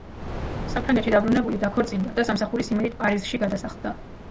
საფრანგეთში დაბრუნებული დაქორწინდა და სამსახურის იმედით პარიზში გადასახლდა.